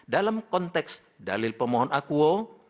dalam konteks dalil pemohon akuo